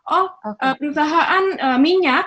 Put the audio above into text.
oh perusahaan minyak